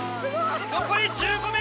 残り１５ｍ。